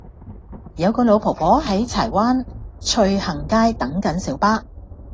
有個老婆婆喺柴灣翠杏街等緊小巴